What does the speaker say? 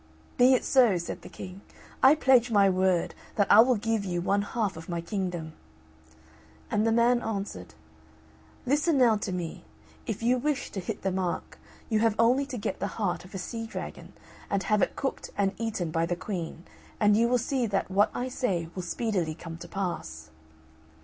"Be it so," said the King, "I pledge my word that I will give you one half of my kingdom." And the man answered, "Listen now to me if you wish to hit the mark, you have only to get the heart of a sea dragon, and have it cooked and eaten by the Queen, and you will see that what I say will speedily come to pass."